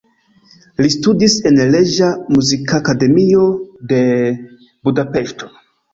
Li studis en Reĝa Muzikakademio de Budapeŝto.